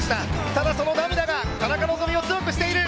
ただその涙が田中希実を強くしている！